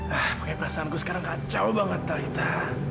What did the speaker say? pokoknya perasaanku sekarang kacau banget talitha